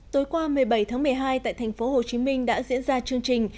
tối qua một mươi bảy tháng một mươi hai tại thành phố hồ chí minh đã diễn ra chương trình